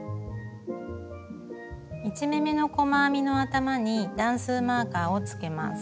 １目めの細編みの頭に段数マーカーをつけます。